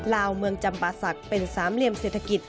ลาวเมืองจำปาศักดิ์เป็นสามเหลี่ยมเศรษฐกิจ